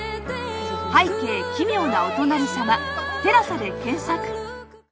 「拝啓、奇妙なお隣さまテラサ」で検索